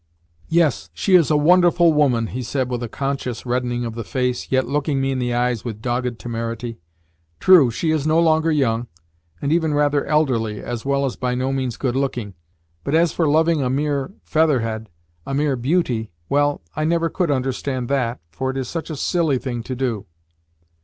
"Yes, she is a wonderful woman," he said with a conscious reddening of the face, yet looking me in the eyes with dogged temerity. "True, she is no longer young, and even rather elderly, as well as by no means good looking; but as for loving a mere featherhead, a mere beauty well, I never could understand that, for it is such a silly thing to do."